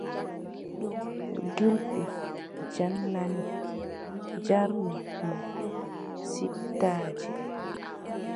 Gilɗi jannanni njarni mo cittaaje.